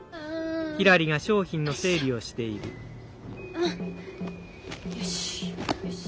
うんよいしょよし。